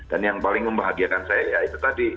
dan yang paling membahagiakan saya ya itu tadi